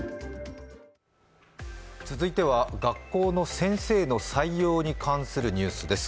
続いては学校の先生の採用に関するニュースです。